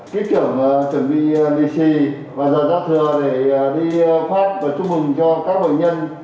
kiếp trưởng chuẩn bị lì xì và giờ giáp thừa để đi phát và chúc mừng cho các bệnh nhân